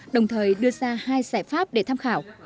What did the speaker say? đồng thời đưa ra hai giải pháp để tham khảo